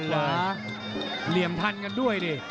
เหรอเหลี่ยมทันกันด้วยดิ